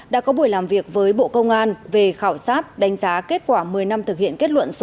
đã có buổi làm việc với bộ công an về khảo sát đánh giá kết quả một mươi năm thực hiện kết luận số một